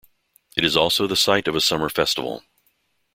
It is also the site of a summer festival.